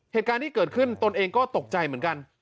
เหตุการณ์ที่เกิดขึ้นตนเองก็ตกใจเหมือนกัน